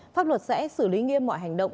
pháp luật sẽ xử lý nghiêm mọi hành động